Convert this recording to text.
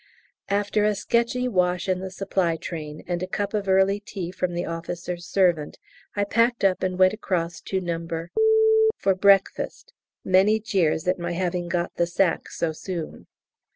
After a sketchy wash in the supply train, and a cup of early tea from the officer's servant, I packed up and went across to No. for breakfast; many jeers at my having got the sack so soon.